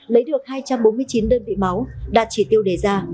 lấy được hai trăm bốn mươi chín đơn vị máu đạt chỉ tiêu đề ra